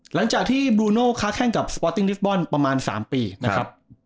หลังจากที่บลูโน่ค้าแข้งกับสปอร์ตติ้งลิฟตบอลประมาณ๓ปีนะครับ